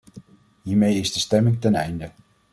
Hiermee is de stemming ten einde.